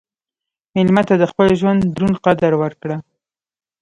مېلمه ته د خپل ژوند دروند قدر ورکړه.